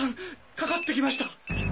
かかってきました。